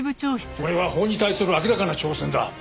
これは法に対する明らかな挑戦だ。